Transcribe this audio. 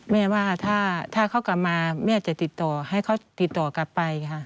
แม่ว่าถ้าเขากลับมาแม่จะติดต่อให้เขาติดต่อกลับไปค่ะ